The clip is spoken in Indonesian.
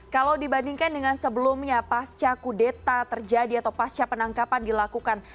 kalau dibandingkan dengan sebelumnya pasca kudeta terjadi atau pasca penangkapan dilakukan